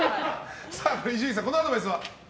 伊集院さん、このアドバイスは？